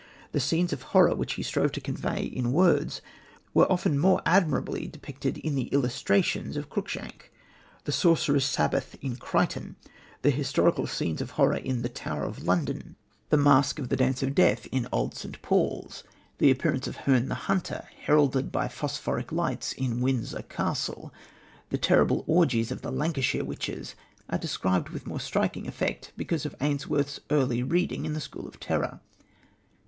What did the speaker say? The scenes of horror which he strove to convey in words were often more admirably depicted in the illustrations of Cruikshank. The sorcerer's sabbath in Crichton, the historical scenes of horror in The Tower of London, the masque of the Dance of Death in Old St. Paul's, the appearance of Herne the Hunter, heralded by phosphoric lights, in Windsor Castle, the terrible orgies of The Lancashire Witches, are described with more striking effect because of Ainsworth's early reading in the school of terror.